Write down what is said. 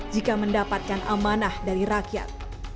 jika mendapatkan amanah dari rakyat